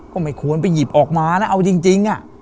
ก็ไม่ควรไปหยิบออกมานะเอาจริง